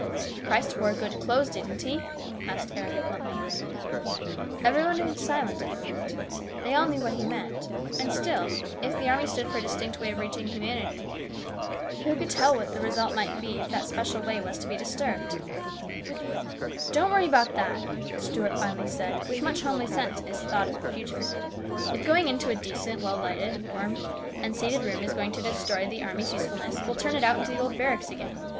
" Christ wore good clothes, didn't he ?" asked Eric bluntly. Everybody was silent a minute. They all knew what he meant. And still, if the army stood for a distinct way of reaching humanity, who could tell what the result might be if that special way was to be disturbed ?" Don't worry about that," Stuart finally said, with much homely sense in his thought of the future. " If going into a decent, well lighted, warmed, and seated 304 HIS BROTHER'S KEEPER. room is going to destroy the army's usefulness, we'll turn it out into the old barracks again.